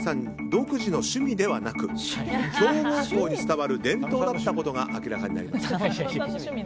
独自の趣味ではなく強豪校に伝わる伝統だったことが明らかになりました。